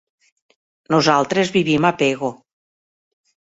Nosaltres vivim a Pego.